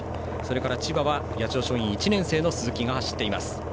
千葉は八千代松陰１年生の鈴木が走っています。